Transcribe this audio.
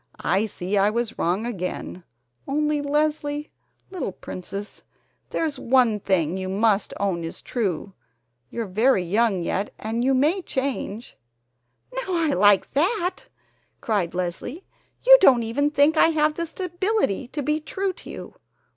"I see I was wrong again, only, Leslie, little princess, there's one thing you must own is true, you're very young yet and you may change " "Now, I like that!" cried Leslie. "You don't even think I have the stability to be true to you.